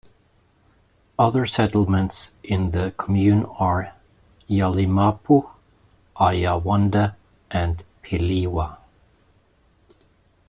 Other settlements in the commune are: Yalimapo, Ayawande, and Piliwa.